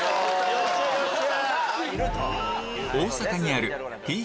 よっしゃよっしゃ！